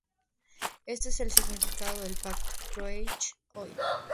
Este es el significado del Pacto Roerich hoy.